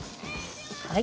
はい。